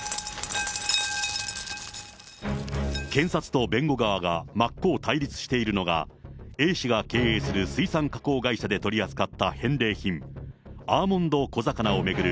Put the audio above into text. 検察と弁護側が真っ向対立しているのが、Ａ氏が経営する水産加工会社で取り扱った返礼品、アーモンド小魚を巡る